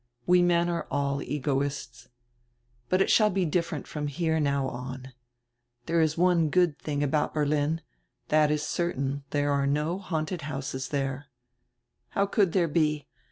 We men are all egoists. But it shall he different from now on. There is one good tiling about Berlin, that is cer tain: there are no haunted houses diere. How could there he?